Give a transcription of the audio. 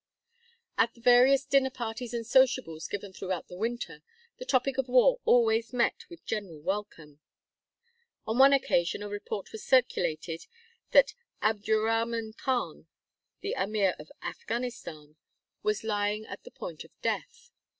At the various dinner parties and sociables given throughout the winter, the topic of war always met with general welcome. On one occasion a report was circulated that Abdurrahman Khan, the Ameer of Afghanistan, was lying at the point of death.